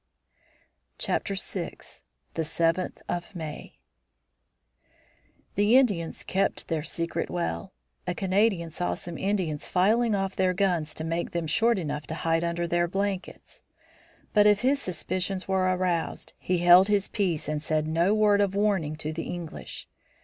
VI. THE SEVENTH OF MAY The Indians kept their secret well. A Canadian saw some Indians filing off their guns to make them short enough to hide under their blankets. But if his suspicions were aroused he held his peace and said no word of warning to the English.